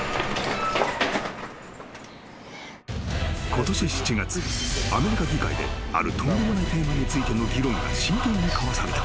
［ことし７月アメリカ議会であるとんでもないテーマについての議論が真剣に交わされた。